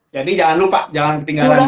jadi jangan lupa jangan ketinggalan itu